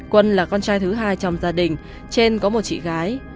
quân là con trai thứ hai trong gia đình trên có một chị gái